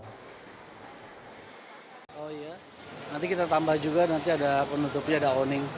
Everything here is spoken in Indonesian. nanti kita tambah juga nanti ada penutupnya ada awning